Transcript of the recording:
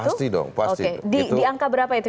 pasti dong di angka berapa itu